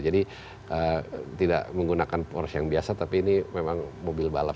jadi tidak menggunakan porsche yang biasa tapi ini memang mobil balap